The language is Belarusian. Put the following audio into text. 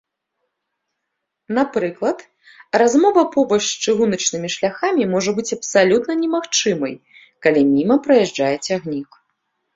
Напрыклад, размова побач з чыгуначнымі шляхамі можа быць абсалютна немагчымым, калі міма праязджае цягнік.